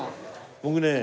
僕ね